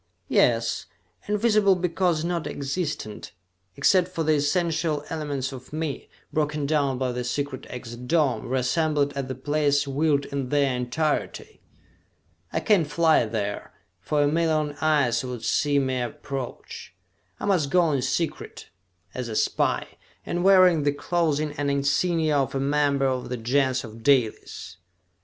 "Yes, invisible because non existent, except for the essential elements of me, broken down by the secret exit dome, reassembled at the place willed in their entirety! I can't fly there, for a million eyes would see me approach! I must go in secret, as a spy, and wearing the clothing and insignia of a member of the Gens of Dalis!"